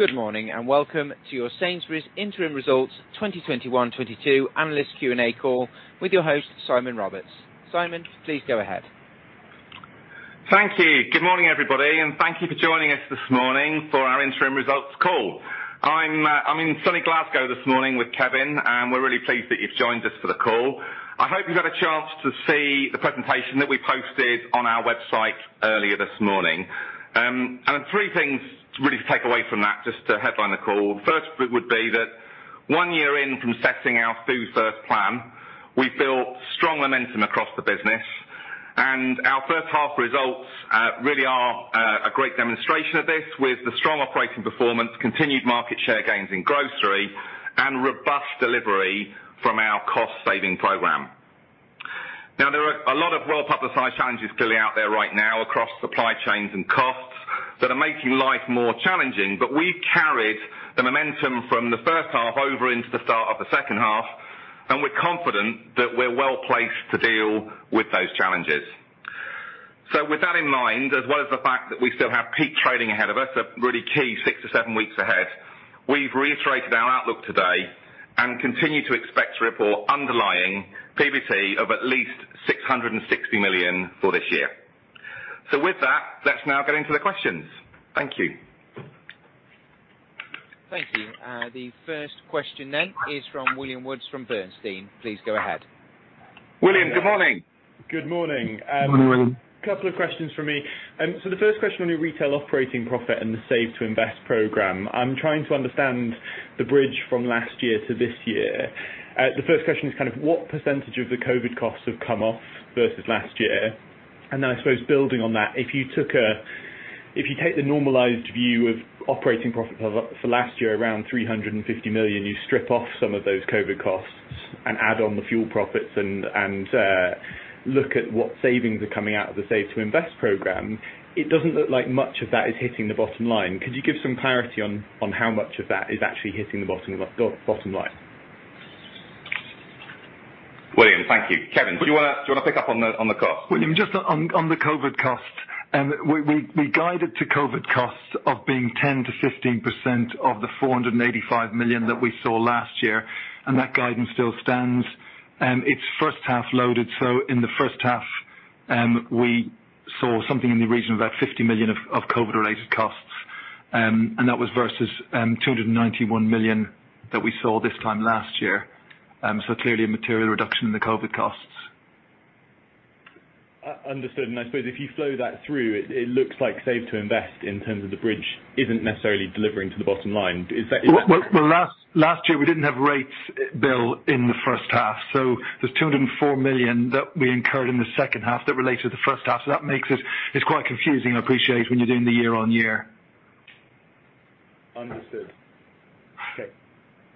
Good morning, and welcome to your Sainsbury's Interim Results 2021/2022 analyst Q&A call with your host, Simon Roberts. Simon, please go ahead. Thank you. Good morning, everybody, and thank you for joining us this morning for our interim results call. I'm in sunny Glasgow this morning with Kevin, and we're really pleased that you've joined us for the call. I hope you've had a chance to see the presentation that we posted on our website earlier this morning. Three things really to take away from that, just to headline the call. First would be that one year in from setting our food first plan, we feel strong momentum across the business and our first half results really are a great demonstration of this with the strong operating performance, continued market share gains in grocery and robust delivery from our cost saving program. Now, there are a lot of well-publicized challenges clearly out there right now across supply chains and costs that are making life more challenging. We've carried the momentum from the first half over into the start of the second half, and we're confident that we're well-placed to deal with those challenges. With that in mind, as well as the fact that we still have peak trading ahead of us, a really key six weeks-seven weeks ahead, we've reiterated our outlook today and continue to expect to report underlying PBT of at least 660 million for this year. With that, let's now get into the questions. Thank you. Thank you. The first question then is from William Woods from Bernstein. Please go ahead. William, good morning. Good morning. Good morning, William. Couple of questions from me. The first question on your retail operating profit and the Save to Invest program. I'm trying to understand the bridge from last year to this year. The first question is kind of what percentage of the COVID costs have come off versus last year? Then I suppose building on that, if you take the normalized view of operating profit for last year, around 350 million, you strip off some of those COVID costs and add on the fuel profits and look at what savings are coming out of the Save to Invest program, it doesn't look like much of that is hitting the bottom line. Could you give some clarity on how much of that is actually hitting the bottom line? William, thank you. Kevin, do you wanna pick up on the cost? William, just on the COVID costs, we guided to COVID costs of being 10%-15% of the 485 million that we saw last year, and that guidance still stands. It's first half loaded, so in the first half, we saw something in the region of about 50 million of COVID related costs. That was versus 291 million that we saw this time last year. Clearly a material reduction in the COVID costs. Understood. I suppose if you flow that through, it looks like Save to Invest in terms of the bridge isn't necessarily delivering to the bottom line. Is that? Well, last year we didn't have rates bill in the first half, so there's 204 million that we incurred in the second half that related to the first half. That makes it quite confusing, I appreciate, when you're doing the year-on-year. Understood.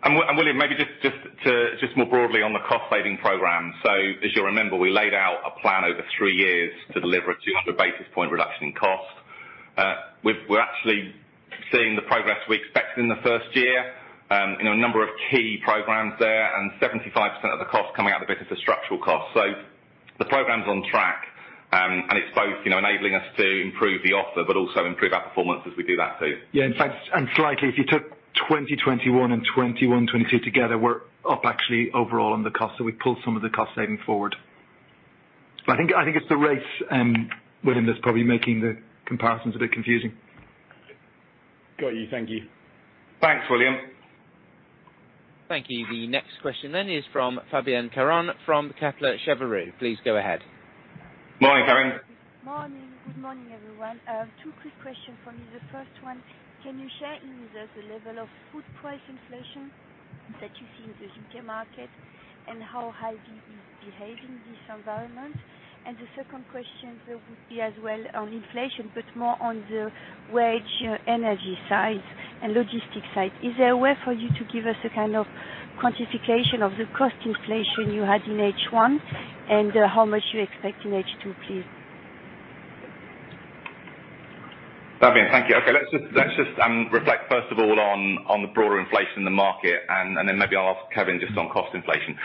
Okay. William, maybe just more broadly on the cost saving program. As you'll remember, we laid out a plan over three years to deliver a 200 basis point reduction in cost. We're actually seeing the progress we expected in the first year, in a number of key programs there, and 75% of the cost coming out of the business is structural costs. The program's on track, and it's both, you know, enabling us to improve the offer but also improve our performance as we do that too. Yeah. In fact, slightly, if you took 2021 and 2021, 2022 together, we're up actually overall on the cost. We pulled some of the cost saving forward. I think it's the rates, William, that's probably making the comparisons a bit confusing. Got you. Thank you. Thanks, William. Thank you. The next question then is from Fabienne Caron from Kepler Cheuvreux. Please go ahead. Morning, Caron. Morning. Good morning, everyone. Two quick questions from me. The first one, can you share with us the level of food price inflation that you see in the U.K. market and how Aldi is behaving in this environment? The second question would be as well on inflation, but more on the wage, energy side and logistics side. Is there a way for you to give us a kind of quantification of the cost inflation you had in H1 and how much you expect in H2, please? Fabienne, thank you. Okay, let's just reflect first of all on the broader inflation in the market, and then maybe I'll ask Kevin just on cost inflation.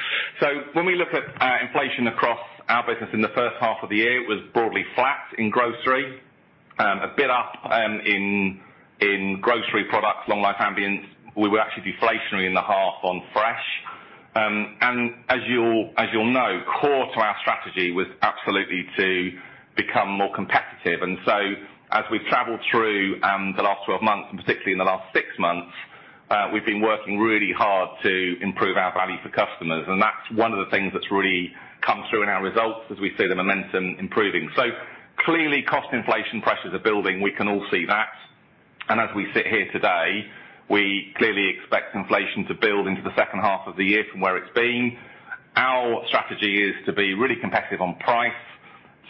When we look at inflation across our business in the first half of the year, it was broadly flat in grocery, a bit up in grocery products, long life ambient. We were actually deflationary in the half on fresh. And as you'll know, core to our strategy was absolutely to become more competitive. As we've traveled through the last 12 months, and particularly in the last six months, we've been working really hard to improve our value for customers. That's one of the things that's really come through in our results as we see the momentum improving. Clearly, cost inflation pressures are building. We can all see that. As we sit here today, we clearly expect inflation to build into the second half of the year from where it's been. Our strategy is to be really competitive on price,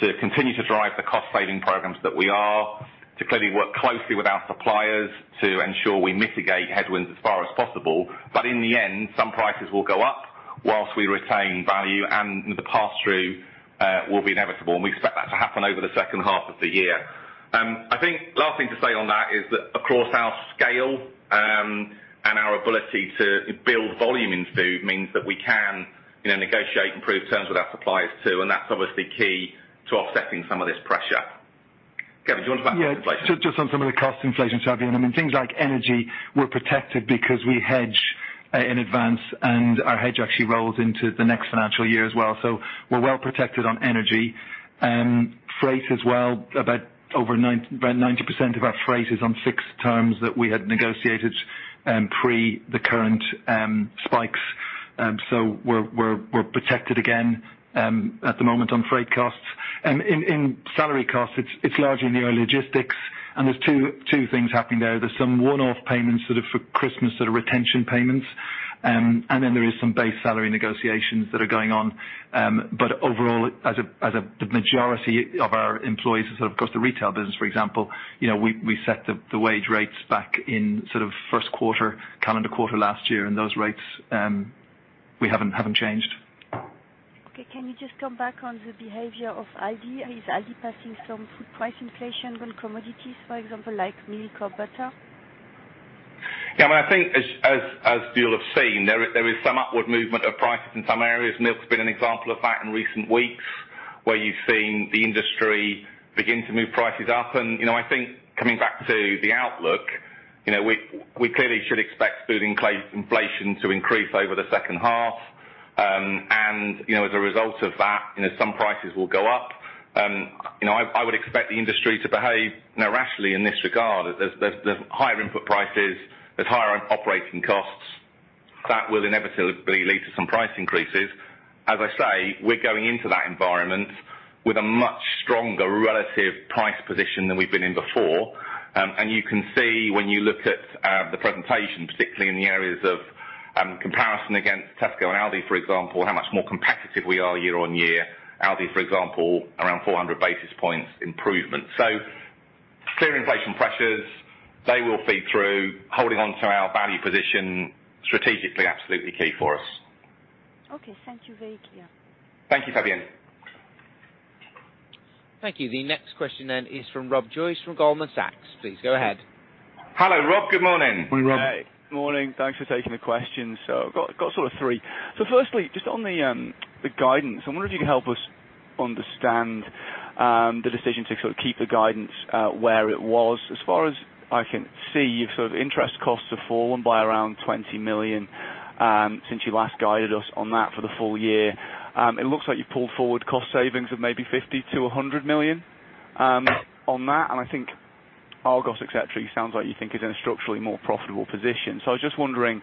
to continue to drive the cost saving programs that we are, to clearly work closely with our suppliers to ensure we mitigate headwinds as far as possible, but in the end, some prices will go up while we retain value and the pass-through will be inevitable, and we expect that to happen over the second half of the year. I think last thing to say on that is that across our scale and our ability to build volume in food means that we can, you know, negotiate improved terms with our suppliers too, and that's obviously key to offsetting some of this pressure. Kevin, do you want to talk about inflation? Just on some of the cost inflation, Fabienne. I mean, things like energy, we're protected because we hedge in advance, and our hedge actually rolls into the next financial year as well. We're well protected on energy. Freight as well. About 90% of our freight is on fixed terms that we had negotiated pre the current spikes. We're protected again at the moment on freight costs. In salary costs, it's largely in the HR logistics, and there's two things happening there. There's some one-off payments sort of for Christmas, sort of retention payments. And then there is some base salary negotiations that are going on. Overall, as the majority of our employees are sort of across the retail business, for example, you know, we set the wage rates back in sort of first quarter, calendar quarter last year, and those rates, we haven't changed. Okay, can you just come back on the behavior of Aldi? Is Aldi passing some food price inflation on commodities, for example, like milk or butter? Yeah, I think as you'll have seen, there is some upward movement of prices in some areas. Milk's been an example of that in recent weeks, where you've seen the industry begin to move prices up. You know, I think coming back to the outlook, you know, we clearly should expect food inflation to increase over the second half. You know, as a result of that, you know, some prices will go up. You know, I would expect the industry to behave, you know, rationally in this regard. There's higher input prices, there's higher operating costs. That will inevitably lead to some price increases. As I say, we're going into that environment with a much stronger relative price position than we've been in before. You can see when you look at the presentation, particularly in the areas of comparison against Tesco and Aldi, for example, how much more competitive we are year on year. Aldi, for example, around 400 basis points improvement. Clear inflation pressures, they will feed through. Holding on to our value position strategically absolutely key for us. Okay. Thank you. Very clear. Thank you, Fabienne. Thank you. The next question is from Rob Joyce from Goldman Sachs. Please go ahead. Hello, Rob. Good morning. Morning, Rob. Hey. Good morning. Thanks for taking the question. I've got sort of three. Firstly, just on the guidance, I wonder if you can help us understand the decision to sort of keep the guidance where it was. As far as I can see, your sort of interest costs have fallen by around 20 million since you last guided us on that for the full year. It looks like you've pulled forward cost savings of maybe 50 million-100 million on that. And I think Argos, et cetera, sounds like you think is in a structurally more profitable position. I was just wondering,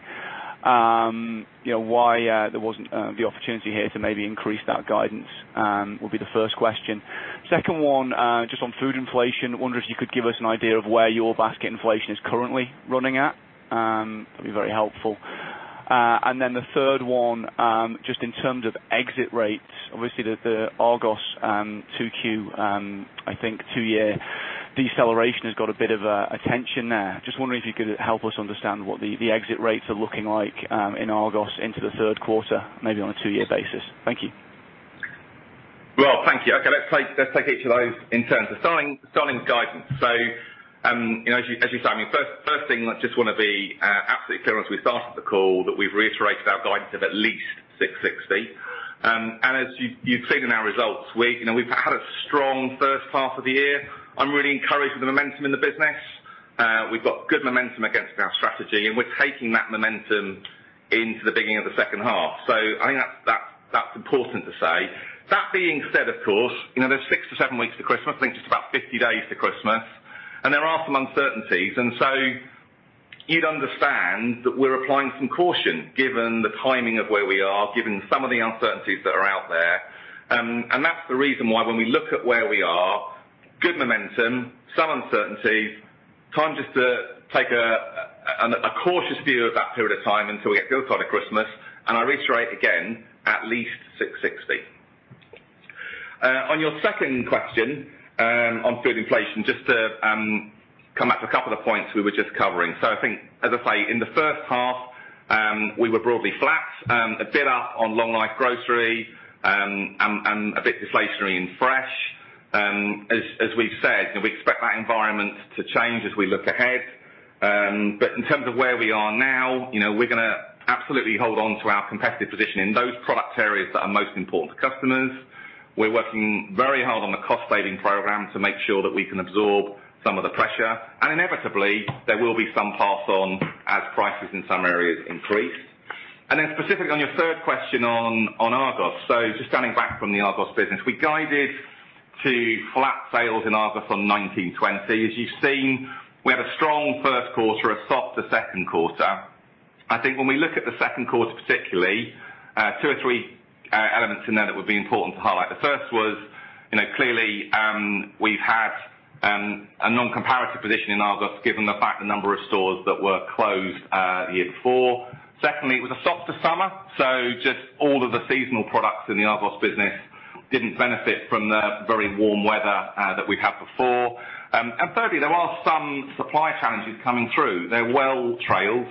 you know, why there wasn't the opportunity here to maybe increase that guidance would be the first question. Second one, just on food inflation, I wonder if you could give us an idea of where your basket inflation is currently running at. That'd be very helpful. And then the third one, just in terms of exit rates, obviously the Argos 2Q, I think two-year deceleration has got a bit of attention there. Just wondering if you could help us understand what the exit rates are looking like in Argos into the third quarter, maybe on a two-year basis. Thank you. Rob, thank you. Okay, let's take each of those in turn. Starting with guidance. You know, as you say, I mean, first thing, I just wanna be absolutely clear as we started the call that we've reiterated our guidance of at least 660. And as you've seen in our results, you know, we've had a strong first half of the year. I'm really encouraged with the momentum in the business. We've got good momentum against our strategy, and we're taking that momentum into the beginning of the second half. I think that's important to say. That being said, of course, you know, there's six weeks-seven weeks to Christmas, I think it's about 50 days to Christmas, and there are some uncertainties. You'd understand that we're applying some caution, given the timing of where we are, given some of the uncertainties that are out there. That's the reason why when we look at where we are, good momentum, some uncertainties, time just to take a cautious view of that period of time until we get closer to Christmas. I reiterate again, at least 660. On your second question, on food inflation, just to come back to a couple of points we were just covering. I think, as I say, in the first half, we were broadly flat, a bit up on long-life grocery, and a bit deflationary in fresh. As we've said, you know, we expect that environment to change as we look ahead. In terms of where we are now, you know, we're gonna absolutely hold on to our competitive position in those product areas that are most important to customers. We're working very hard on the cost-saving program to make sure that we can absorb some of the pressure. Inevitably, there will be some pass on as prices in some areas increase. Specifically on your third question on Argos. Just going back from the Argos business, we guided to flat sales in Argos from 2019-2020. As you've seen, we had a strong first quarter, a softer second quarter. I think when we look at the second quarter particularly, two or three elements in there that would be important to highlight. The first was, you know, clearly, we've had a non-comparative position in Argos, given the fact that the number of stores that were closed the year before. Secondly, it was a softer summer, so just all of the seasonal products in the Argos business didn't benefit from the very warm weather that we had before. Thirdly, there are some supply challenges coming through. They're well trailed.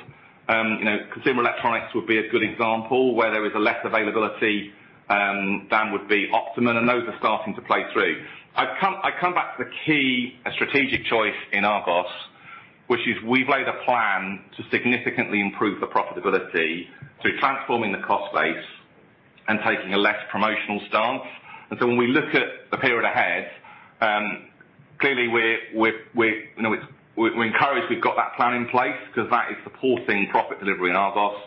You know, consumer electronics would be a good example, where there is a less availability than would be optimum, and those are starting to play through. I come back to the key strategic choice in Argos, which is we've laid a plan to significantly improve the profitability through transforming the cost base and taking a less promotional stance. When we look at the period ahead, clearly we're, you know, we're encouraged we've got that plan in place because that is supporting profit delivery in Argos.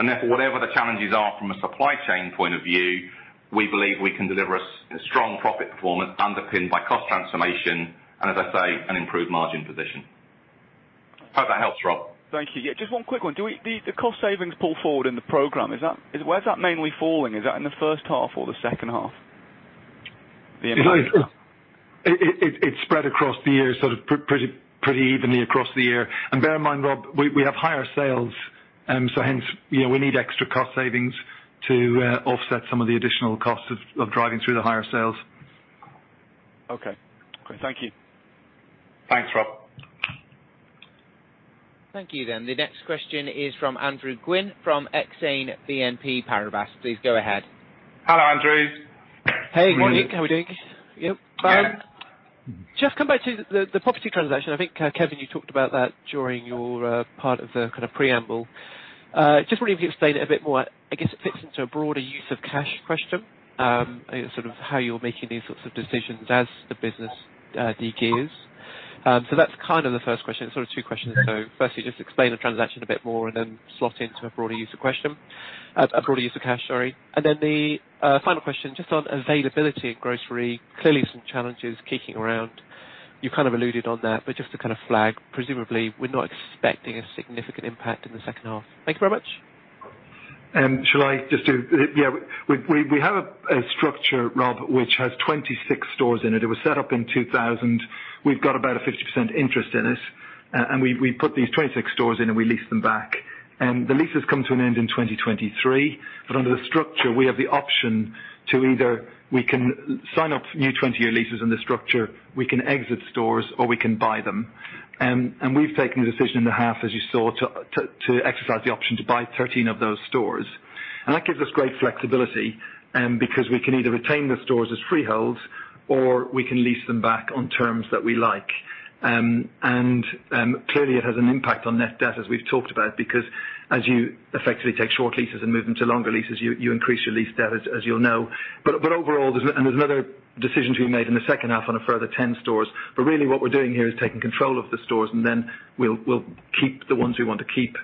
Therefore, whatever the challenges are from a supply chain point of view, we believe we can deliver a strong profit performance underpinned by cost transformation, and as I say, an improved margin position. I hope that helps, Rob. Thank you. Yeah, just one quick one. The cost savings pull forward in the program, is that where is that mainly falling? Is that in the first half or the second half? The- It's spread across the year, sort of pretty evenly across the year. Bear in mind, Rob, we have higher sales, so hence, you know, we need extra cost savings to offset some of the additional costs of driving through the higher sales. Okay, great. Thank you. Thanks, Rob. Thank you then. The next question is from Andrew Gwynn from Exane BNP Paribas. Please go ahead. Hello, Andrew. Hey, good morning. How are you doing? Yep. Yeah. Just come back to the property transaction. I think, Kevin, you talked about that during your part of the kinda preamble. Just wondering if you could explain it a bit more. I guess it fits into a broader use of cash question, you know, sort of how you're making these sorts of decisions as the business de-gears. That's kind of the first question. Sort of two questions, though. Okay. Firstly, just explain the transaction a bit more and then slot into a broader use question. A broader use of cash, sorry. The final question, just on availability in grocery, clearly some challenges kicking around. You kind of alluded on that, but just to kind of flag, presumably we're not expecting a significant impact in the second half. Thank you very much. We have a structure, Rob, which has 26 stores in it. It was set up in 2000. We've got about a 50% interest in it. We put these 26 stores in and we lease them back. The leases come to an end in 2023. Under the structure, we have the option to either sign up new 20-year leases in the structure, we can exit stores, or we can buy them. We've taken the decision in the half, as you saw, to exercise the option to buy 13 of those stores. That gives us great flexibility because we can either retain the stores as freeholds or we can lease them back on terms that we like. Clearly it has an impact on net debt, as we've talked about, because as you effectively take short leases and move them to longer leases, you increase your lease debt, as you'll know. Overall, there's another decision to be made in the second half on a further 10 stores. Really what we're doing here is taking control of the stores and then we'll keep the ones we want to keep,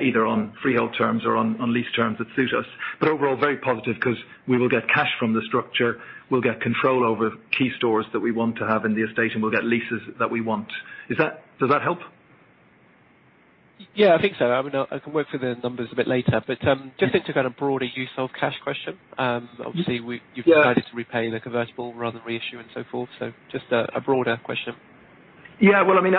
either on freehold terms or on lease terms that suit us. Overall, very positive because we will get cash from the structure, we'll get control over key stores that we want to have in the estate, and we'll get leases that we want. Does that help? Yeah, I think so. I mean, I can work through the numbers a bit later. Just to kind of broader use of cash question, obviously we- Yeah. You've decided to repay the convertible rather than reissue and so forth. Just a broader question. Well, I mean,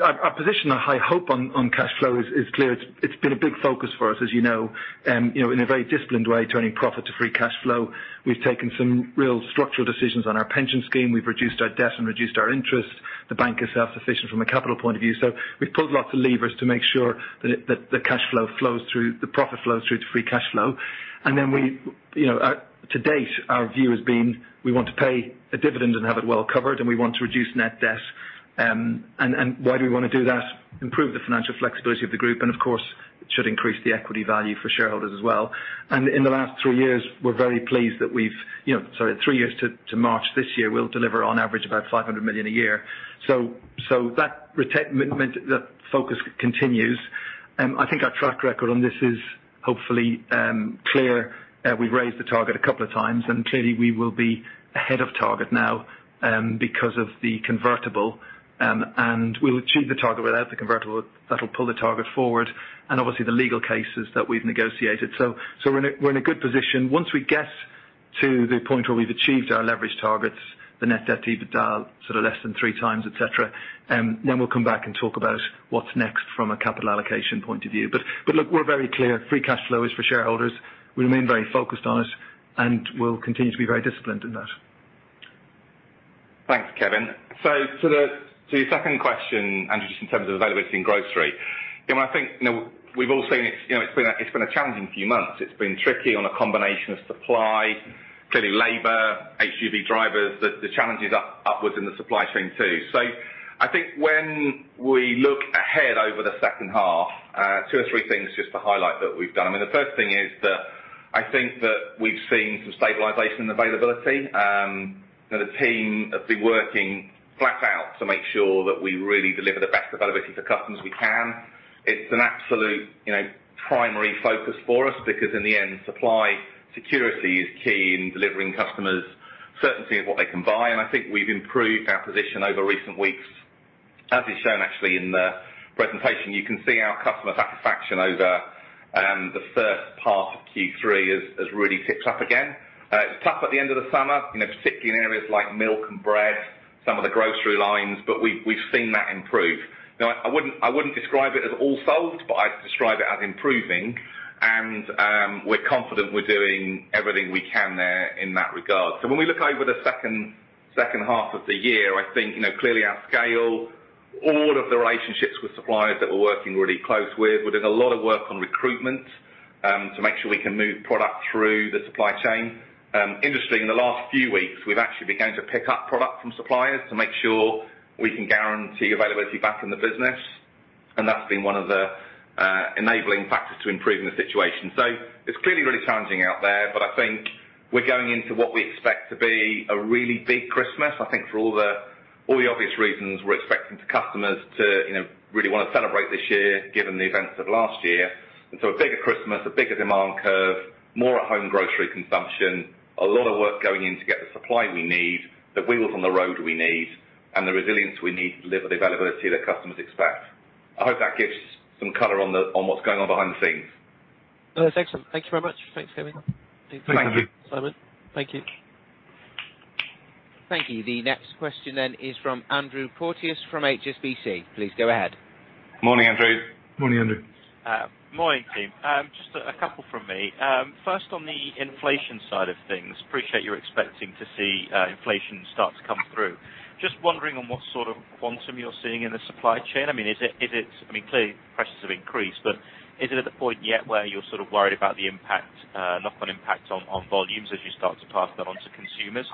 our position on high hopes on cash flows is clear. It's been a big focus for us, as you know, you know, in a very disciplined way, turning profit to free cash flow. We've taken some real structural decisions on our pension scheme. We've reduced our debt and reduced our interest. The bank is self-sufficient from a capital point of view. We've pulled lots of levers to make sure that the cash flow flows through, the profit flows through to free cash flow. Then we, you know, to date, our view has been, we want to pay a dividend and have it well covered, and we want to reduce net debt. Why do we wanna do that? Improve the financial flexibility of the group, and of course, it should increase the equity value for shareholders as well. In the last three years to March this year, we're very pleased that we've delivered on average about 500 million a year. That remains the focus. I think our track record on this is hopefully clear. We've raised the target a couple of times, and clearly we will be ahead of target now, because of the convertible. We'll achieve the target without the convertible. That'll pull the target forward. Obviously, the legal cases that we've negotiated. We're in a good position. Once we get to the point where we've achieved our leverage targets, the net debt to EBITDA, sort of less than 3x, et cetera, then we'll come back and talk about what's next from a capital allocation point of view. Look, we're very clear. Free cash flow is for shareholders. We remain very focused on it, and we'll continue to be very disciplined in that. Thanks, Kevin. To your second question, Andrew, just in terms of availability in grocery. You know, I think, you know, we've all seen it, you know, it's been a challenging few months. It's been tricky on a combination of supply, clearly labor, HGV drivers, the challenges upwards in the supply chain too. I think when we look ahead over the second half, two or three things just to highlight that we've done. I mean, the first thing is that I think that we've seen some stabilization in availability. You know, the team have been working flat out to make sure that we really deliver the best availability for customers we can. It's an absolute, you know, primary focus for us because in the end, supply security is key in delivering customers certainty of what they can buy. I think we've improved our position over recent weeks. As is shown actually in the presentation, you can see our customer satisfaction over the first part of Q3 has really ticked up again. It was tough at the end of the summer, you know, particularly in areas like milk and bread, some of the grocery lines, but we've seen that improve. Now, I wouldn't describe it as all solved, but I'd describe it as improving. We're confident we're doing everything we can there in that regard. When we look over the second half of the year, I think, you know, clearly our scale, all of the relationships with suppliers that we're working really close with, we're doing a lot of work on recruitment to make sure we can move product through the supply chain. Interestingly, in the last few weeks, we've actually begun to pick up product from suppliers to make sure we can guarantee availability back in the business. That's been one of the enabling factors to improving the situation. It's clearly really challenging out there, but I think we're going into what we expect to be a really big Christmas. I think for all the obvious reasons, we're expecting the customers to, you know, really wanna celebrate this year, given the events of last year. A bigger Christmas, a bigger demand curve, more at home grocery consumption, a lot of work going in to get the supply we need, the wheels on the road we need, and the resilience we need to deliver the availability that customers expect. I hope that gives some color on what's going on behind the scenes. No, that's excellent. Thank you very much. Thanks for having me. Thank you. Simon. Thank you. Thank you. The next question is from Andrew Porteous from HSBC. Please go ahead. Morning, Andrew. Morning, Andrew. Morning, team. Just a couple from me. First on the inflation side of things, I appreciate you're expecting to see inflation start to come through. Just wondering on what sort of quantum you're seeing in the supply chain. I mean, is it I mean, clearly, prices have increased, but is it at the point yet where you're sort of worried about the impact, knock-on impact on volumes as you start to pass that on to consumers?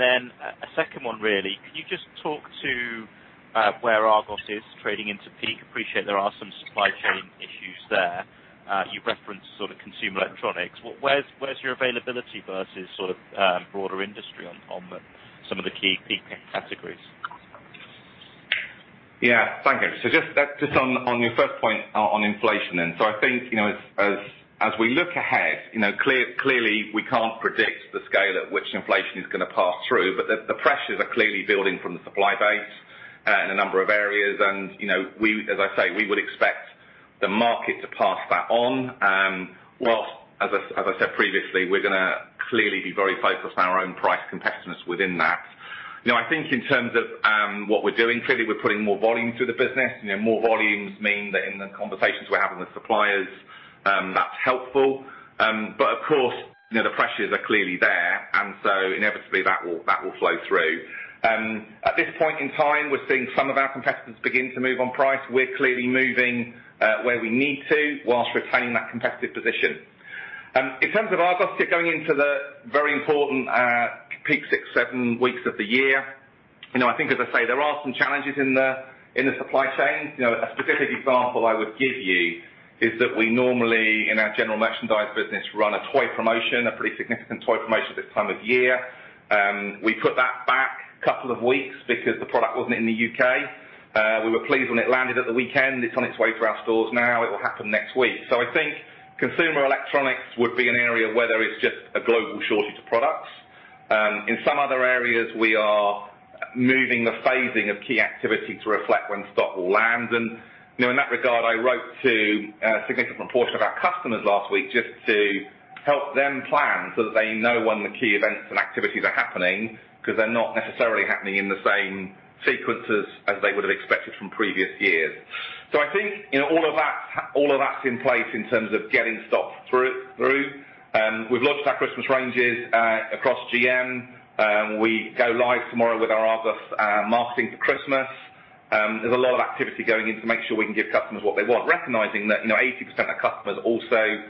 Then a second one really. Can you just talk to where Argos is trading into peak? I appreciate there are some supply chain issues there. You've referenced sort of consumer electronics. Where's your availability versus sort of broader industry on some of the key peak categories? Yeah. Thank you. Just on your first point on inflation then. I think, you know, as we look ahead, you know, clearly, we can't predict the scale at which inflation is gonna pass through. The pressures are clearly building from the supply base in a number of areas. You know, as I say, we would expect the market to pass that on, while, as I said previously, we're gonna clearly be very focused on our own price competitiveness within that. You know, I think in terms of what we're doing, clearly we're putting more volume through the business. You know, more volumes mean that in the conversations we're having with suppliers, that's helpful. But of course, you know, the pressures are clearly there, and so inevitably, that will flow through. At this point in time, we're seeing some of our competitors begin to move on price. We're clearly moving where we need to while retaining that competitive position. In terms of Argos, going into the very important peak six weeks-seven weeks of the year, you know, I think, as I say, there are some challenges in the supply chains. You know, a specific example I would give you is that we normally, in our general merchandise business, run a toy promotion, a pretty significant toy promotion this time of year. We put that back a couple of weeks because the product wasn't in the U.K. We were pleased when it landed at the weekend. It's on its way to our stores now. It will happen next week. I think consumer electronics would be an area where there is just a global shortage of products. In some other areas, we are moving the phasing of key activity to reflect when stock will land. You know, in that regard, I wrote to a significant portion of our customers last week just to help them plan so that they know when the key events and activities are happening, 'cause they're not necessarily happening in the same sequences as they would've expected from previous years. I think, you know, all of that, all of that's in place in terms of getting stock through. We've launched our Christmas ranges across GM. We go live tomorrow with our Argos marketing for Christmas. There's a lot of activity going in to make sure we can give customers what they want, recognizing that, you know, 80% of customers also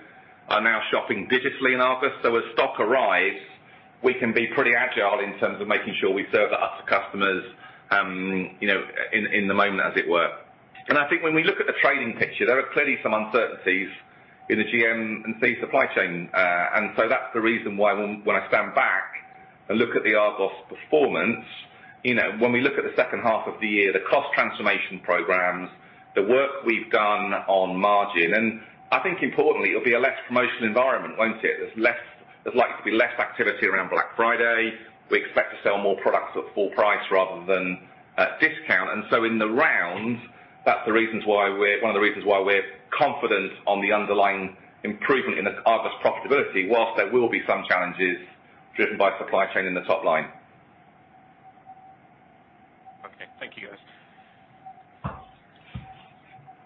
are now shopping digitally in Argos. As stock arrives, we can be pretty agile in terms of making sure we serve the Argos customers, you know, in the moment as it were. I think when we look at the trading picture, there are clearly some uncertainties in the GM and food supply chain. That's the reason why when I stand back and look at the Argos performance, you know, when we look at the second half of the year, the cost transformation programs, the work we've done on margin, and I think importantly, it'll be a less promotional environment, won't it? There's likely to be less activity around Black Friday. We expect to sell more products at full price rather than at discount. In the round, that's one of the reasons why we're confident on the underlying improvement in the Argos profitability, while there will be some challenges driven by supply chain in the top line. Okay. Thank you guys.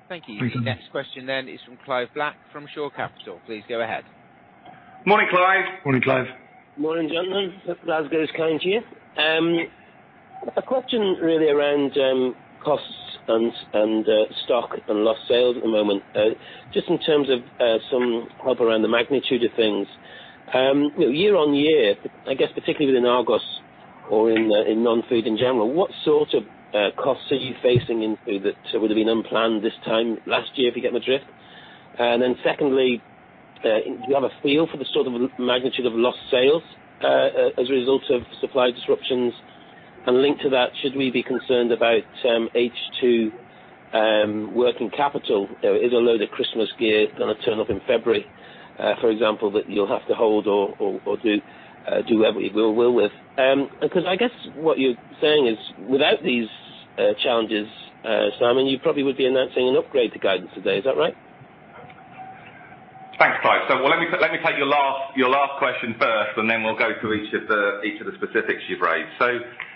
Thank you. The next question is from Clive Black from Shore Capital. Please go ahead. Morning, Clive. Morning, Clive. Morning, gentlemen. I hope Glasgow is kind to you. A question really around costs and stock and lost sales at the moment. Just in terms of some help around the magnitude of things. You know, year-on-year, I guess particularly within Argos or in non-food in general, what sort of costs are you facing in food that would have been unplanned this time last year, if you get my drift? Then secondly, do you have a feel for the sort of magnitude of lost sales as a result of supply disruptions? Linked to that, should we be concerned about H2 working capital? You know, is a load of Christmas gear gonna turn up in February, for example, that you'll have to hold or do whatever you will with. Because I guess what you're saying is without these challenges, Simon, you probably would be announcing an upgrade to guidance today. Is that right? Thanks, Clive. Well, let me take your last question first, and then we'll go through each of the specifics you've raised.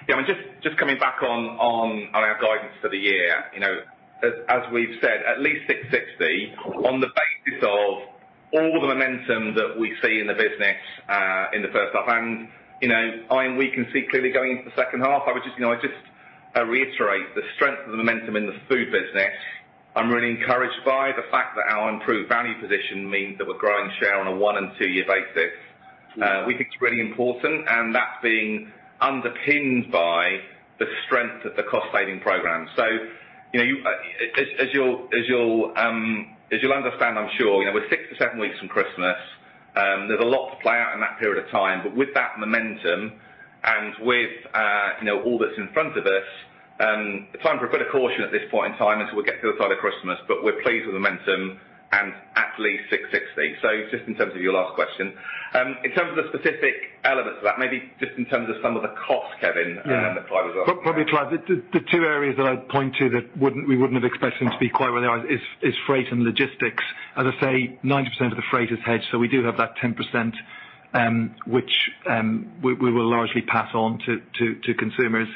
Yeah, I mean, just coming back on our guidance for the year. You know, as we've said, at least 660 on the basis of all the momentum that we see in the business in the first half. You know, we can see clearly going into the second half. I would just, you know, reiterate the strength of the momentum in the food business. I'm really encouraged by the fact that our improved value position means that we're growing share on a one- and two-year basis. We think it's really important, and that's being underpinned by the strength of the cost-saving program. You'll understand, I'm sure, you know, we're six weeks-seven weeks from Christmas. There's a lot to play out in that period of time. With that momentum and with, you know, all that's in front of us, it's time for a bit of caution at this point in time until we get to the other side of Christmas. We're pleased with the momentum and at least 6.60%. Just in terms of your last question. In terms of the specific elements of that, maybe just in terms of some of the costs, Kevin. Yeah. And then if I was- Probably the two areas that I'd point to that we wouldn't have expected them to be quite where they are is freight and logistics. As I say, 90% of the freight is hedged, so we do have that 10%, which we will largely pass on to consumers.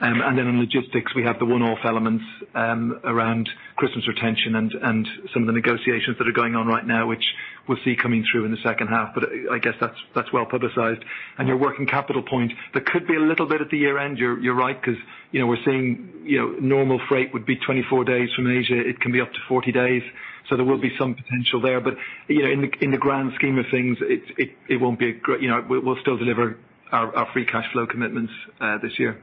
Then in logistics, we have the one-off elements around Christmas retention and some of the negotiations that are going on right now, which we'll see coming through in the second half. I guess that's well-publicized. Your working capital point, there could be a little bit at the year-end. You're right 'cause, you know, we're seeing, you know, normal freight would be 24 days from Asia, it can be up to 40 days. So there will be some potential there. You know, in the grand scheme of things, it won't be a great. You know, we'll still deliver our free cash flow commitments this year.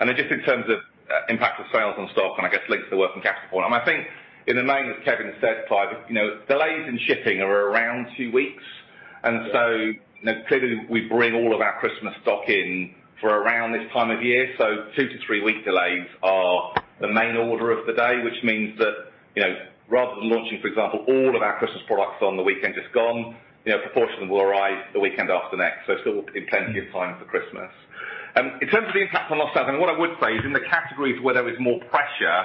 In terms of the impact of sales on stock and I guess links to the working capital point. I think in the main, as Kevin has said, Clive, you know, delays in shipping are around two weeks. You know, clearly we bring all of our Christmas stock in for around this time of year. Two weeks-three week delays are the main order of the day, which means that, you know, rather than launching, for example, all of our Christmas products on the weekend just gone, you know, a proportion will arrive the weekend after next. Still in plenty of time for Christmas. In terms of the impact on the stock, what I would say is in the categories where there is more pressure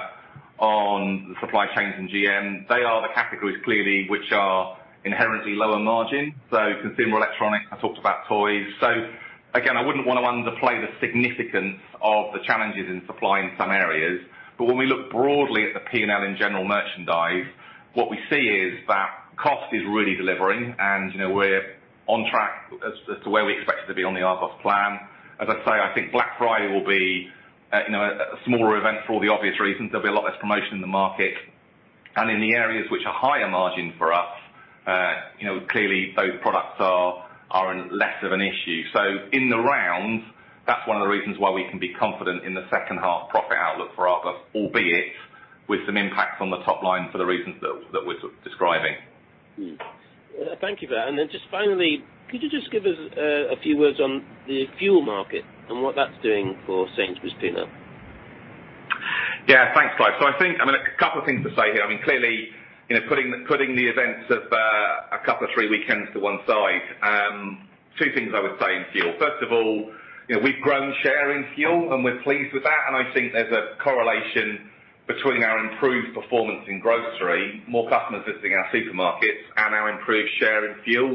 on the supply chains in GM, they are the categories clearly which are inherently lower margin. Consumer electronics, I talked about toys. Again, I wouldn't wanna underplay the significance of the challenges in supply in some areas. When we look broadly at the P&L in general merchandise, what we see is that cost is really delivering and, you know, we're on track as to where we expect it to be on the Argos plan. As I say, I think Black Friday will be, you know, a smaller event for the obvious reasons. There'll be a lot less promotion in the market. In the areas which are higher margin for us, you know, clearly those products are less of an issue. In the round, that's one of the reasons why we can be confident in the second half profit outlook for Argos, albeit with some impacts on the top line for the reasons that we're sort of describing. Thank you for that. Just finally, could you just give us a few words on the fuel market and what that's doing for Sainsbury's P&L? Yeah, thanks, Clive. I think, I mean, a couple of things to say here. I mean, clearly, you know, putting the events of a couple of three weekends to one side, two things I would say in fuel. First of all, you know, we've grown share in fuel, and we're pleased with that, and I think there's a correlation between our improved performance in grocery, more customers visiting our supermarkets and our improved share in fuel.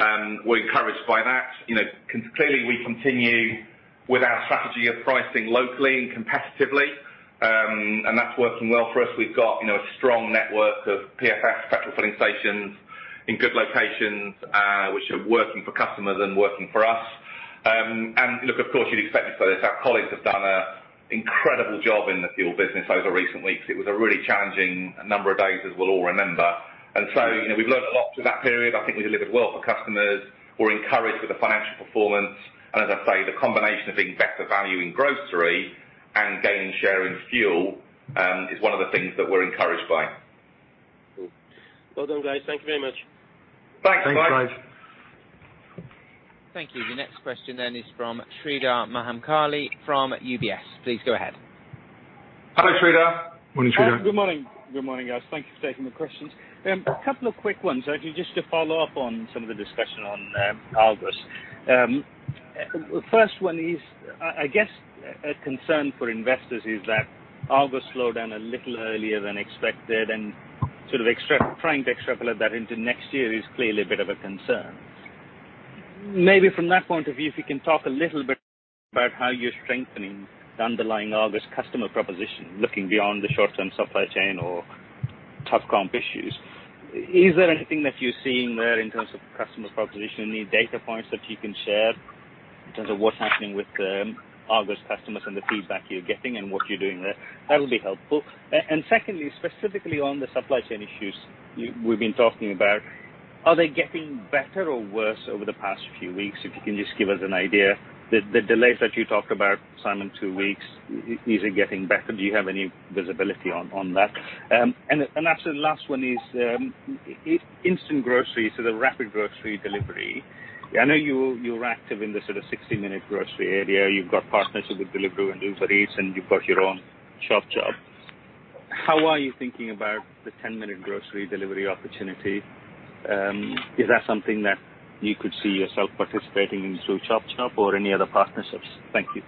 We're encouraged by that. You know, clearly, we continue with our strategy of pricing locally and competitively, and that's working well for us. We've got, you know, a strong network of PFS, petrol filling stations, in good locations, which are working for customers and working for us. And look, of course, you'd expect me to say this. Our colleagues have done an incredible job in the fuel business over recent weeks. It was a really challenging number of days, as we'll all remember. You know, we've learned a lot through that period. I think we delivered well for customers. We're encouraged with the financial performance. As I say, the combination of being better value in grocery and gaining share in fuel is one of the things that we're encouraged by. Cool. Well done, guys. Thank you very much. Thanks, Clive. Thanks, Clive. Thank you. The next question then is from Sreedhar Mahamkali from UBS. Please go ahead. Hello, Sreedhar. Morning, Sreedhar. Good morning. Good morning, guys. Thank you for taking the questions. A couple of quick ones, actually, just to follow up on some of the discussion on Argos. First one is, I guess a concern for investors is that Argos slowed down a little earlier than expected and sort of trying to extrapolate that into next year is clearly a bit of a concern. Maybe from that point of view, if you can talk a little bit about how you're strengthening the underlying Argos customer proposition, looking beyond the short-term supply chain or tough comp issues. Is there anything that you're seeing there in terms of customer proposition? Any data points that you can share in terms of what's happening with Argos customers and the feedback you're getting and what you're doing there? That would be helpful. Secondly, specifically on the supply chain issues you've been talking about, are they getting better or worse over the past few weeks? If you can just give us an idea. The delays that you talked about, Simon, two weeks, is it getting better? Do you have any visibility on that? Actually the last one is instant grocery, so the rapid grocery delivery. I know you're active in the sort of 60-minute grocery area. You've got partnerships with Deliveroo and Uber Eats, and you've got your own Chop Chop. How are you thinking about the 10-minute grocery delivery opportunity? Is that something that you could see yourself participating in through Chop Chop or any other partnerships? Thank you.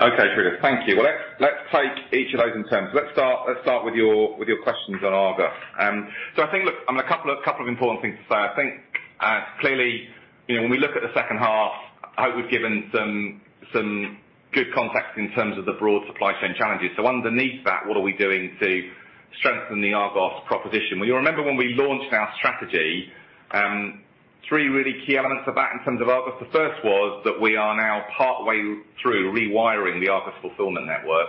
Okay, Sreedhar. Thank you. Well, let's take each of those in turn. Let's start with your questions on Argos. I think, look, I mean, a couple of important things to say. I think, clearly, you know, when we look at the second half, I hope we've given some good context in terms of the broad supply chain challenges. Underneath that, what are we doing to strengthen the Argos proposition? Well, you'll remember when we launched our strategy, three really key elements of that in terms of Argos. The first was that we are now partway through rewiring the Argos fulfillment network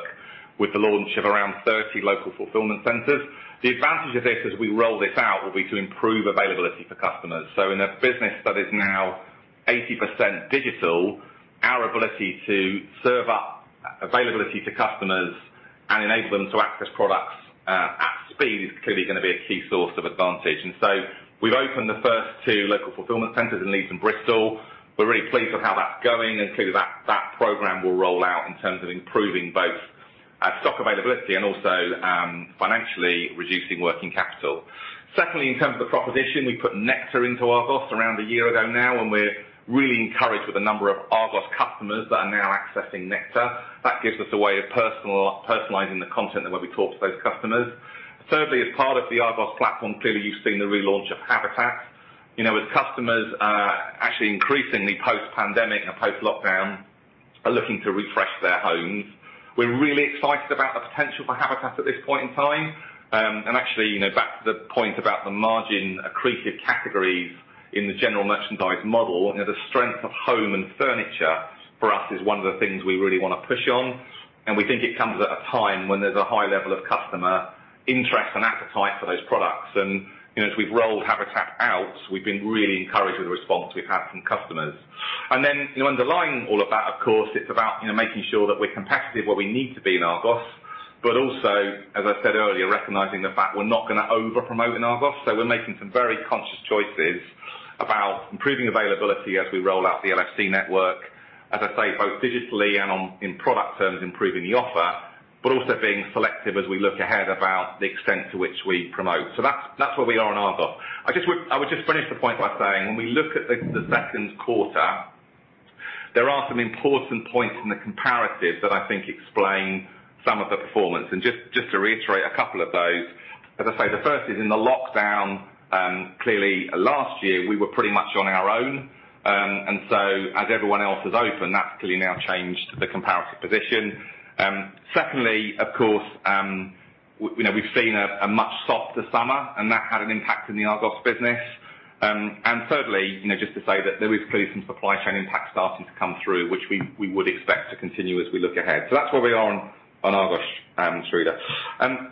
with the launch of around 30 local fulfillment centers. The advantage of this as we roll this out will be to improve availability for customers. In a business that is now 80% digital, our ability to serve up availability to customers and enable them to access products at speed is clearly gonna be a key source of advantage. We've opened the first two local fulfillment centers in Leeds and Bristol. We're really pleased with how that's going, and clearly that program will roll out in terms of improving both stock availability and also financially reducing working capital. Secondly, in terms of the proposition, we put Nectar into Argos around a year ago now, and we're really encouraged with the number of Argos customers that are now accessing Nectar. That gives us a way of personalizing the content and the way we talk to those customers. Thirdly, as part of the Argos platform, clearly you've seen the relaunch of Habitat. You know, as customers are actually increasingly post-pandemic and post-lockdown are looking to refresh their homes, we're really excited about the potential for Habitat at this point in time. Actually, you know, back to the point about the margin-accretive categories in the general merchandise model, you know, the strength of home and furniture for us is one of the things we really wanna push on. We think it comes at a time when there's a high level of customer interest and appetite for those products. You know, as we've rolled Habitat out, we've been really encouraged with the response we've had from customers. You know, underlying all of that, of course, it's about, you know, making sure that we're competitive where we need to be in Argos, but also, as I said earlier, recognizing the fact we're not gonna over-promote in Argos. We're making some very conscious choices about improving availability as we roll out the LFC network. As I say, both digitally and on, in product terms, improving the offer, but also being selective as we look ahead about the extent to which we promote. That's where we are in Argos. I would just finish the point by saying when we look at the second quarter, there are some important points in the comparatives that I think explain some of the performance. Just to reiterate a couple of those, as I say, the first is in the lockdown. Clearly last year we were pretty much on our own. As everyone else has opened, that's clearly now changed the comparative position. Secondly, of course, you know, we've seen a much softer summer, and that had an impact in the Argos business. Thirdly, you know, just to say that there is clearly some supply chain impact starting to come through, which we would expect to continue as we look ahead. That's where we are on Argos, Sreedhar.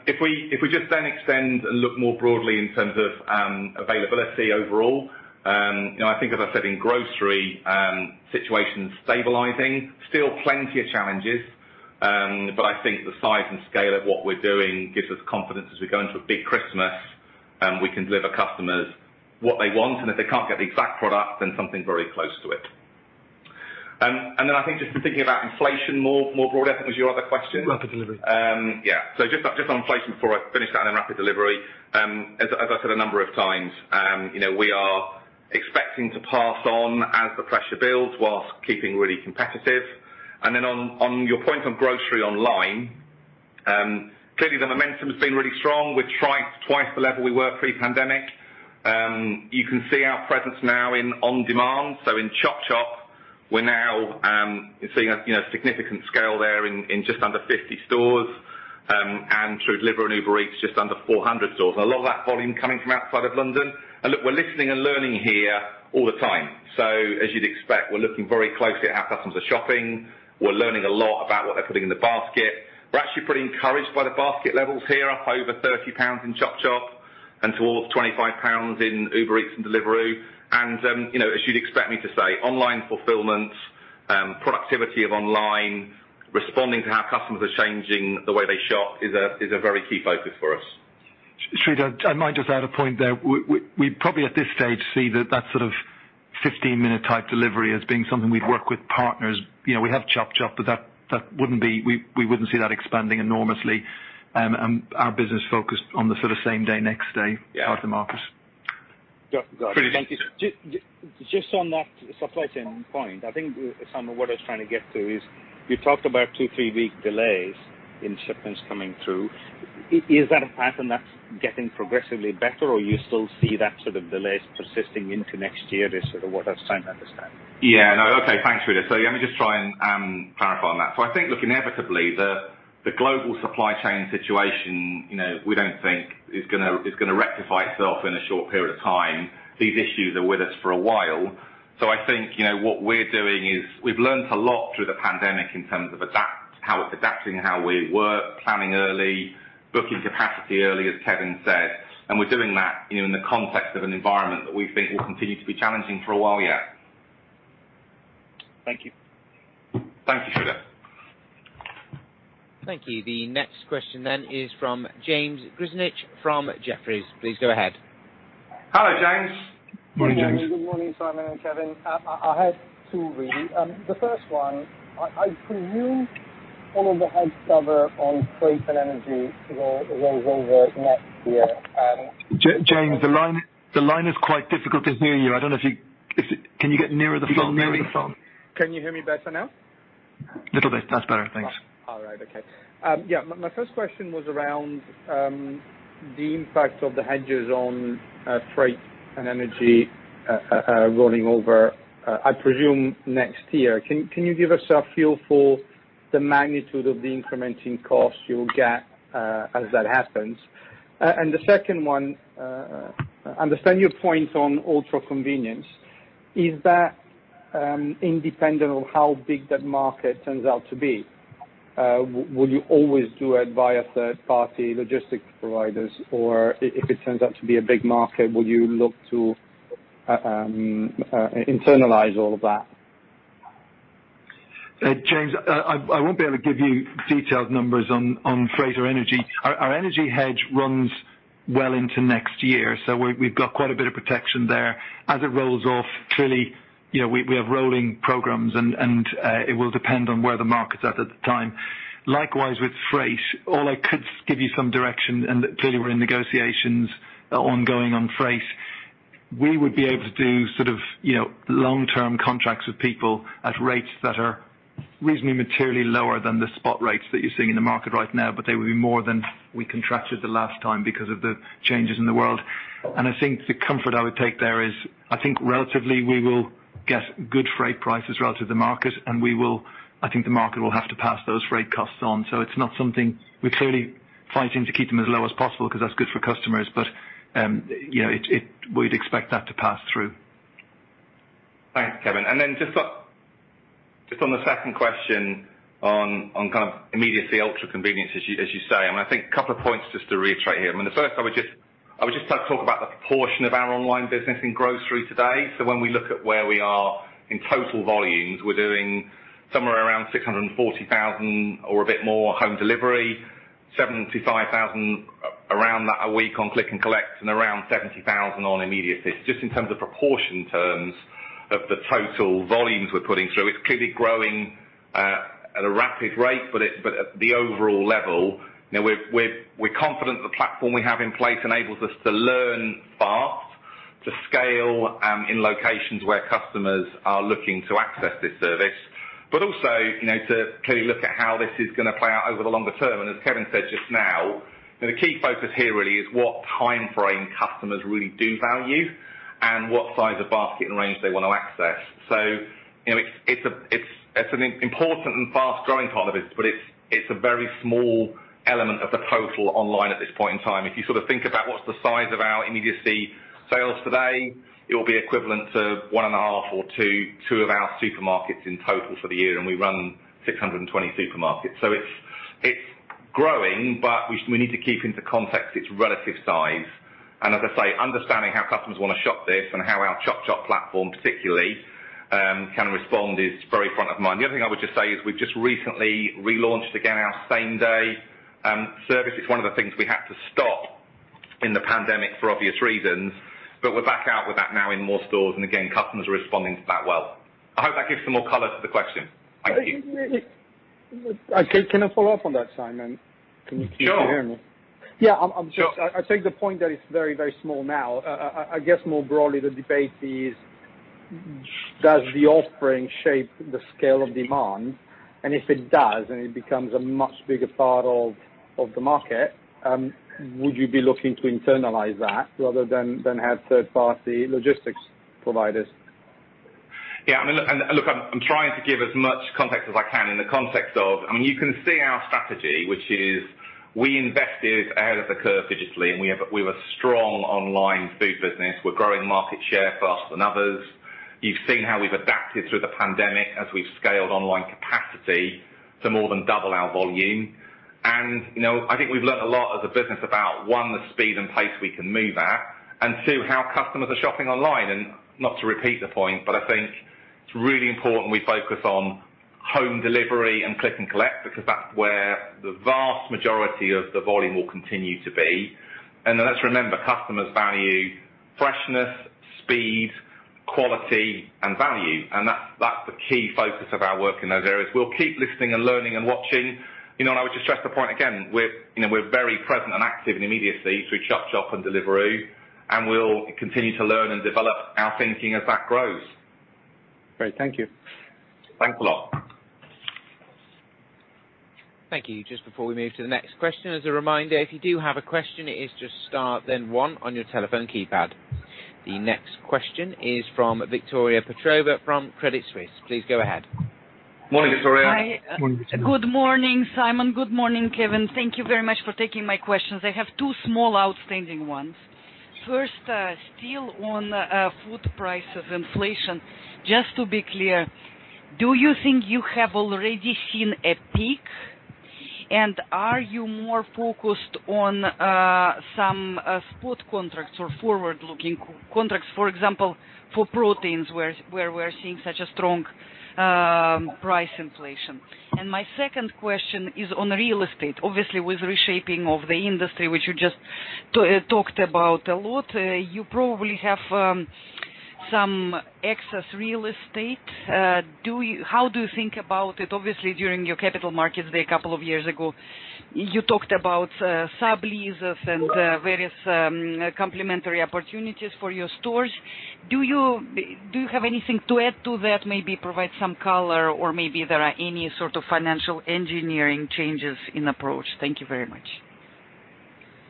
If we just then extend and look more broadly in terms of availability overall, you know, I think as I said in grocery, situations stabilizing. Still plenty of challenges, but I think the size and scale of what we're doing gives us confidence as we go into a big Christmas, we can deliver customers what they want, and if they can't get the exact product, then something very close to it. I think just in thinking about inflation more broadly, I think was your other question. Rapid delivery. Just on inflation before I finish that and then rapid delivery. As I said a number of times, you know, we are expecting to pass on as the pressure builds while keeping really competitive. On your point on grocery online, clearly the momentum has been really strong. We're twice the level we were pre-pandemic. You can see our presence now in on-demand. In Chop Chop, we're now seeing a you know significant scale there in just under 50 stores, and through Deliveroo and Uber Eats, just under 400 stores. A lot of that volume coming from outside of London. Look, we're listening and learning here all the time. As you'd expect, we're looking very closely at how customers are shopping. We're learning a lot about what they're putting in the basket. We're actually pretty encouraged by the basket levels here, up over 30 pounds in Chop Chop and towards 25 pounds in Uber Eats and Deliveroo. You know, as you'd expect me to say, online fulfillment, productivity of online, responding to how customers are changing the way they shop is a very key focus for us. Sreedhar, I might just add a point there. We probably at this stage see that sort of 15-minute type delivery as being something we'd work with partners. You know, we have Chop Chop, but that wouldn't be. We wouldn't see that expanding enormously, and our business focused on the sort of same day, next day. Yeah. part of the market. Got it. Thank you. Pretty much, yeah. Just on that supply chain point, I think, Simon, what I was trying to get to is you talked about two weeks-three-week delays in shipments coming through. Is that a pattern that's getting progressively better, or you still see that sort of delays persisting into next year is sort of what I was trying to understand? Yeah. No. Okay. Thanks, Sreedhar. Let me just try and clarify on that. I think, look, inevitably the global supply chain situation, you know, we don't think is gonna rectify itself in a short period of time. These issues are with us for a while. I think, you know, what we're doing is we've learned a lot through the pandemic in terms of adapting how we work, planning early, booking capacity early, as Kevin said. We're doing that, you know, in the context of an environment that we think will continue to be challenging for a while yet. Thank you. Thank you, Sreedhar. Thank you. The next question is from James Grzinic from Jefferies. Please go ahead. Hello, James. Morning, James. Good morning, Simon and Kevin. I had two really. The first one, I presume all of the hedge cover on freight and energy rolls over next year. James, the line is quite difficult to hear you. I don't know if you can get nearer the phone? You got nearer the phone. Can you hear me better now? Little bit. That's better. Thanks. All right. Okay. Yeah. My first question was around the impact of the hedges on freight and energy running over, I presume, next year. Can you give us a feel for the magnitude of the incrementing costs you will get as that happens. I understand your point on ultra convenience. Is that independent of how big that market turns out to be? Will you always do it via third party logistics providers? Or if it turns out to be a big market, will you look to internalize all of that? James, I won't be able to give you detailed numbers on freight or energy. Our energy hedge runs well into next year, so we've got quite a bit of protection there. As it rolls off, clearly, you know, we have rolling programs and it will depend on where the market's at the time. Likewise, with freight, all I could give you is some direction, and clearly we're in negotiations ongoing on freight. We would be able to do sort of, you know, long-term contracts with people at rates that are reasonably materially lower than the spot rates that you're seeing in the market right now, but they will be more than we contracted the last time because of the changes in the world. I think the comfort I would take there is, I think relatively, we will get good freight prices relative to market. I think the market will have to pass those freight costs on. It's not something. We're clearly fighting to keep them as low as possible because that's good for customers. You know, we'd expect that to pass through. Thanks, Kevin. Just on the second question on kind of immediacy ultra convenience, as you say, and I think a couple of points just to reiterate here. I mean, the first I would like to talk about the proportion of our online business in grocery today. So when we look at where we are in total volumes, we're doing somewhere around 640,000 or a bit more home delivery, 75,000 around that a week on click and collect, and around 70,000 on immediacy. Just in terms of proportion of the total volumes we're putting through, it's clearly growing at a rapid rate, but at the overall level. We're confident the platform we have in place enables us to learn fast, to scale, in locations where customers are looking to access this service, but also, you know, to clearly look at how this is gonna play out over the longer term. As Kevin said just now, you know, the key focus here really is what timeframe customers really do value and what size of basket and range they want to access. You know, it's an important and fast-growing part of the business, but it's a very small element of the total online at this point in time. If you sort of think about what's the size of our immediacy sales today, it will be equivalent to 1.5 or two of our supermarkets in total for the year, and we run 620 supermarkets. It's growing, but we need to keep into context its relative size. As I say, understanding how customers wanna shop this and how our Chop Chop platform particularly can respond is very front of mind. The other thing I would just say is we've just recently relaunched again our same-day service. It's one of the things we had to stop in the pandemic for obvious reasons, but we're back out with that now in more stores, and again, customers are responding to that well. I hope that gives some more color to the question. Thank you. Can I follow up on that, Simon? Sure. Can you hear me? Yeah, I'm just- Sure. I take the point that it's very, very small now. I guess more broadly the debate is, does the offering shape the scale of demand? If it does, and it becomes a much bigger part of the market, would you be looking to internalize that rather than have third-party logistics providers? Yeah. Look, I'm trying to give as much context as I can in the context of I mean, you can see our strategy, which is we invested ahead of the curve digitally, and we have a strong online food business. We're growing market share faster than others. You've seen how we've adapted through the pandemic as we've scaled online capacity to more than double our volume. You know, I think we've learned a lot as a business about, one, the speed and pace we can move at, and two, how customers are shopping online. Not to repeat the point, but I think it's really important we focus on home delivery and click and collect because that's where the vast majority of the volume will continue to be. Then let's remember, customers value freshness, speed, quality, and value. That's the key focus of our work in those areas. We'll keep listening and learning and watching. You know, I would just stress the point again, we're, you know, we're very present and active in immediacy through Chop Chop and Deliveroo, and we'll continue to learn and develop our thinking as that grows. Great. Thank you. Thanks a lot. Thank you. Just before we move to the next question, as a reminder, if you do have a question, it is just star then one on your telephone keypad. The next question is from Victoria Petrova from Credit Suisse. Please go ahead. Morning, Victoria. Morning, Victoria. Good morning, Simon. Good morning, Kevin. Thank you very much for taking my questions. I have two small outstanding ones. First, still on food prices inflation. Just to be clear, do you think you have already seen a peak? Are you more focused on some spot contracts or forward-looking contracts, for example, for proteins where we're seeing such a strong price inflation? My second question is on real estate. Obviously, with reshaping of the industry, which you just talked about a lot, you probably have some excess real estate. How do you think about it? Obviously, during your capital markets day a couple of years ago, you talked about subleases and various complementary opportunities for your stores. Do you have anything to add to that, maybe provide some color or maybe there are any sort of financial engineering changes in approach? Thank you very much.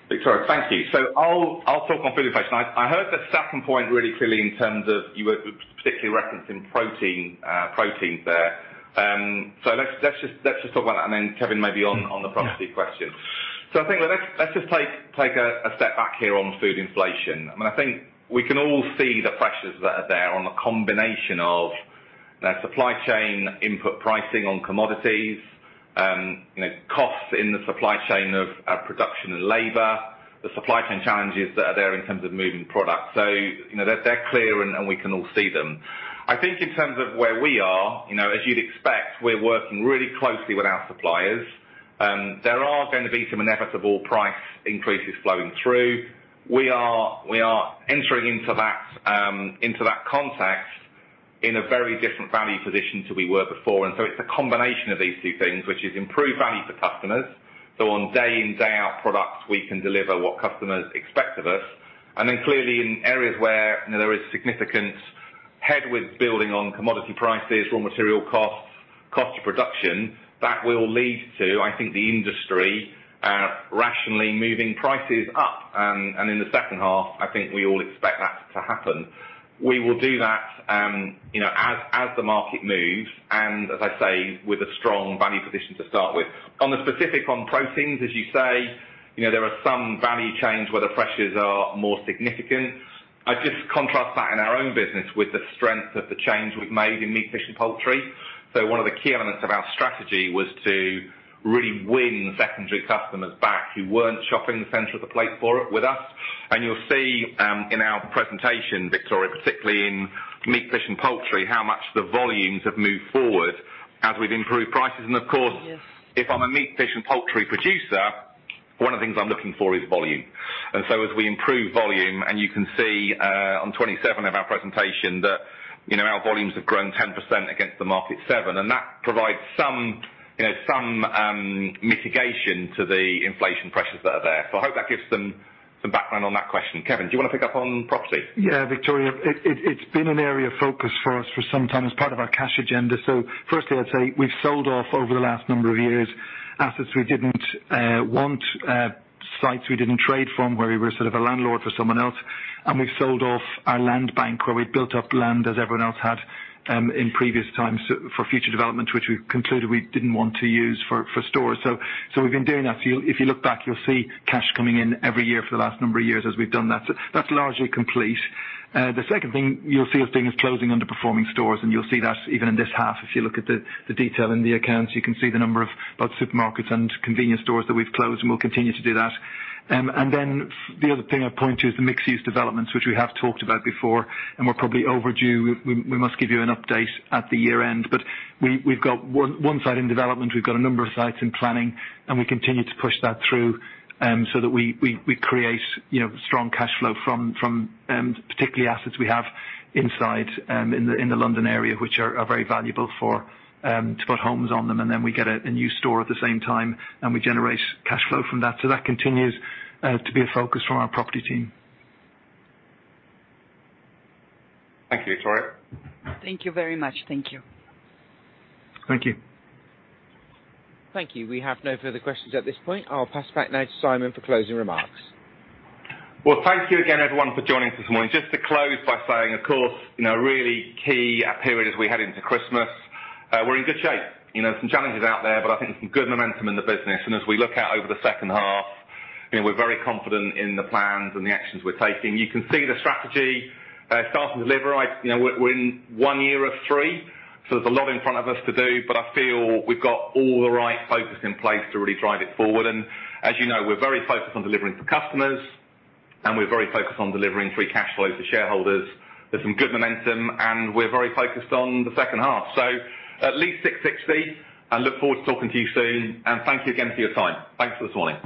Victoria, thank you. I'll talk on food inflation. I heard the second point really clearly in terms of you were particularly referencing protein, proteins there. Let's just talk about that and then Kevin maybe on the property question. Yeah. I think let's just take a step back here on food inflation. I mean, I think we can all see the pressures that are there on the combination of the supply chain input pricing on commodities, you know, costs in the supply chain of production and labor, the supply chain challenges that are there in terms of moving products. You know, they're clear and we can all see them. I think in terms of where we are, you know, as you'd expect, we're working really closely with our suppliers. There are going to be some inevitable price increases flowing through. We are entering into that context in a very different value position to what we were before. It's a combination of these two things which is improved value for customers. On day in, day out products, we can deliver what customers expect of us. Clearly in areas where, you know, there is significant headwind building on commodity prices, raw material costs, cost of production, that will lead to, I think the industry rationally moving prices up. In the second half, I think we all expect that to happen. We will do that, you know, as the market moves and as I say, with a strong value position to start with. On the specific on proteins, as you say, you know, there are some value chains where the pressures are more significant. I just contrast that in our own business with the strength of the change we've made in meat, fish, and poultry. One of the key elements of our strategy was to really win secondary customers back who weren't shopping the center of the plate for it with us. You'll see in our presentation, Victoria, particularly in meat, fish, and poultry, how much the volumes have moved forward as we've improved prices. Of course- Yes... if I'm a meat, fish, and poultry producer, one of the things I'm looking for is volume. We improve volume, and you can see on 27 of our presentation that, you know, our volumes have grown 10% against the market 7%. That provides some, you know, mitigation to the inflation pressures that are there. I hope that gives some background on that question. Kevin, do you wanna pick up on property? Yeah, Victoria. It's been an area of focus for us for some time as part of our cash agenda. Firstly, I'd say we've sold off over the last number of years assets we didn't want, sites we didn't trade from where we were sort of a landlord for someone else. We've sold off our land bank where we'd built up land as everyone else had in previous times for future development, which we concluded we didn't want to use for stores. We've been doing that. If you look back you'll see cash coming in every year for the last number of years as we've done that. That's largely complete. The second thing you'll see us doing is closing underperforming stores, and you'll see that even in this half, if you look at the detail in the accounts. You can see the number of both supermarkets and convenience stores that we've closed, and we'll continue to do that. The other thing I'd point to is the mixed-use developments, which we have talked about before, and we're probably overdue. We must give you an update at the year end. We've got one site in development. We've got a number of sites in planning, and we continue to push that through, so that we create, you know, strong cash flow from particularly assets we have inside in the London area, which are very valuable for to put homes on them. Then we get a new store at the same time, and we generate cash flow from that. That continues to be a focus from our property team. Thank you, Victoria. Thank you very much. Thank you. Thank you. Thank you. We have no further questions at this point. I'll pass back now to Simon for closing remarks. Well, thank you again, everyone for joining us this morning. Just to close by saying, of course, you know, really key period as we head into Christmas. We're in good shape. You know, some challenges out there, but I think some good momentum in the business. And as we look out over the second half, you know, we're very confident in the plans and the actions we're taking. You can see the strategy starting to deliver. You know, we're in one year of three, so there's a lot in front of us to do, but I feel we've got all the right focus in place to really drive it forward. And as you know, we're very focused on delivering for customers, and we're very focused on delivering free cash flows to shareholders. There's some good momentum, and we're very focused on the second half. At least 660. I look forward to talking to you soon, and thank you again for your time. Thanks for this morning. Bye.